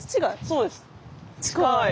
そうです。